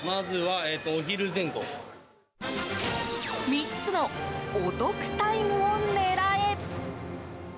３つのお得タイムを狙え。